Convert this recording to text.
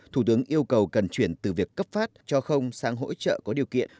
thủ tướng yêu cầu cần chuyển từ việc cấp phát cho không sang hỗ trợ có điều kiện